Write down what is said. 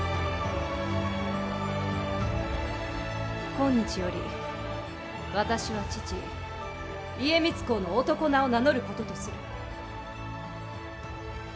今日より、私は、父家光公の男名を名乗ることとする。